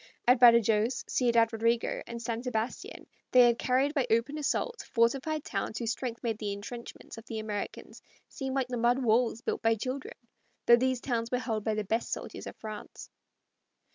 At Badajoz, Ciudad Rodrigo, and San Sebastian they had carried by open assault fortified towns whose strength made the intrenchments of the Americans seem like the mud walls built by children, though these towns were held by the best soldiers of France.